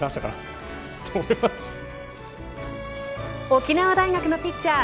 沖縄大のピッチャー